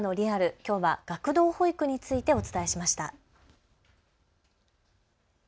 きょうは学童保育についてお伝えしました。